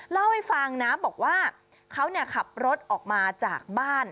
เล่าให้ฟังนะบอกว่าเขาขับรถออกมาจากบ้าน